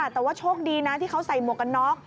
แต่ว่าโชคดีนะที่เขาใส่หมวกกันน็อก